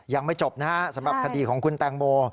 ยังไม่จบนะฮะสำหรับคดีของคุณแตงโม